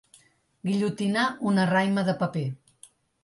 Guillotinar una raima de paper.